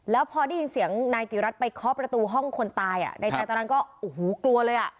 แล้วพอได้ยินเสียงนายจิรัตนไปเคาะประตูห้องคนตายอ่ะในใจตอนนั้นก็โอ้โหกลัวเลยอ่ะ